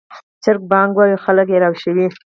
چرګ بانګ وايي او خلک راویښوي